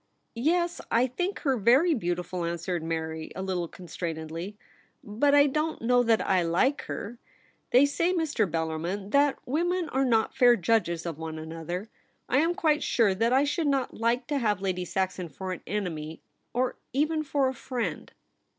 * Yes ; I think her very beautiful,' answered Mary, a little constrainedly. ' But I don't know that I like her. They say, Mr. Bellar 'IF YOU WERE queen: 93 min, that women are not fair judges of one another. I am quite sure that I should not Hke to have Lady Saxon for an enemy, or even for a friend.'